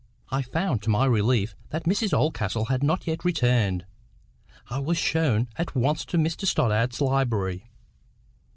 I found to my relief that Mrs Oldcastle had not yet returned. I was shown at once to Mr Stoddart's library.